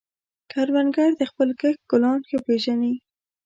کروندګر د خپلې کښت ګلان ښه پېژني